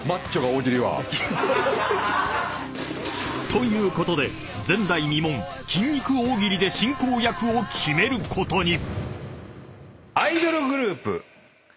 ［ということで前代未聞筋肉大喜利で進行役を決めることに］